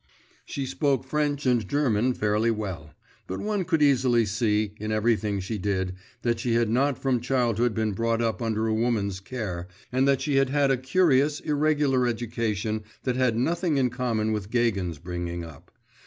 She spoke French and German fairly well; but one could easily see, in everything she did, that she had not from childhood been brought up under a woman's care, and that she had had a curious, irregular education that had nothing in common with Gagin's bringing up.